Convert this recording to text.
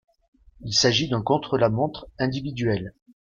Il s'agit d'un contre-la-montre individuel.